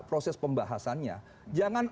proses pembahasannya jangan